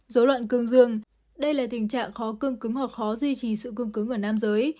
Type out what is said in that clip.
dối loạn cương dương đây là tình trạng khó cương cứng hoặc khó duy trì sự cương cứng ở nam giới